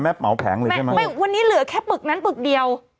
แม่ไม่ได้ไปวันนี้ไงไม่วันนี้เหลือแค่ปึกนั้นปึกเดียว